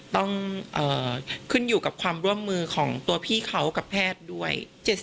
ต้องขึ้นอยู่กับความร่วมมือของตัวพี่เขากับแพทย์ด้วย